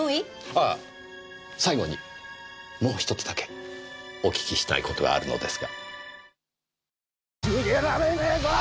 ああ最後にもう１つだけお訊きしたいことがあるのですが。